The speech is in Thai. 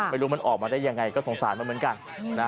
ไม่รู้มันออกมาได้ยังไงก็สงสารมันเหมือนกัน